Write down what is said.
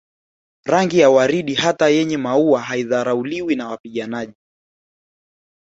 Rangi ya waridi hata yenye maua haidharauliwi na wapiganaji